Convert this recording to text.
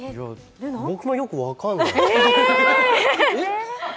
僕もよく分からない。